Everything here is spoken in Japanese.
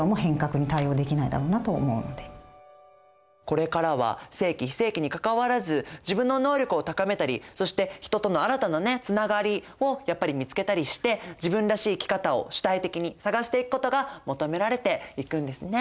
これからは正規非正規にかかわらず自分の能力を高めたりそして人との新たなつながりをやっぱり見つけたりして自分らしい生き方を主体的に探していくことが求められていくんですね。